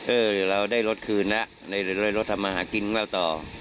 เออเราได้รถคืนนะเร็วรถทำมาหากินแล้วต่อ